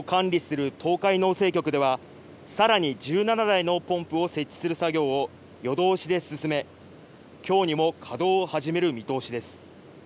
施設を管理する東海農政局では、さらに１７台のポンプを設置する作業を、夜通しで進め、きょうにも稼働を始める見通しです。